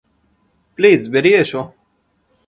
Please বেরিয়ে এসো।